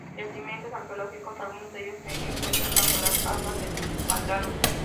Yacimientos arqueológicos, algunos de ellos se encuentran bajo las aguas del pantano.